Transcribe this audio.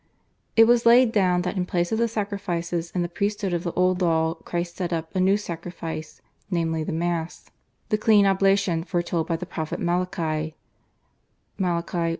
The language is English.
It was laid down that in place of the sacrifices and the priesthood of the Old Law Christ set up a new sacrifice, namely the Mass, the clean oblation foretold by the prophet Malachy (Mal. I.